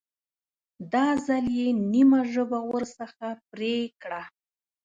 دا ځل یې نیمه ژبه ورڅخه پرې کړه.